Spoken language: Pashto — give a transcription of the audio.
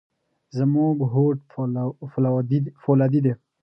زموږ هوډ فولادي دی.